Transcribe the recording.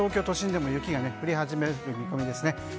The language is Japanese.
８時になると東京都心でも雪が降り始める見込みですね。